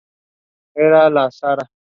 Eran la Sra.